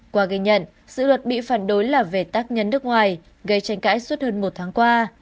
qua ghi nhận sự luật bị phản đối là về tác nhân nước ngoài gây tranh cãi suốt hơn một tháng qua